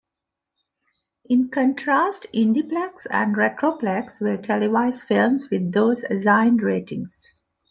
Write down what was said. In contrast, IndiePlex and RetroPlex will televise films with those assigned ratings.